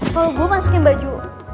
kalo gue masukin baju